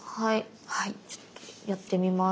はいちょっとやってみます。